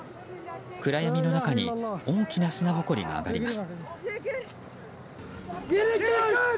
暗闇の中に大きな砂ぼこりが上がります。